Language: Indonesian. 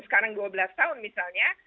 sekarang dua belas tahun misalnya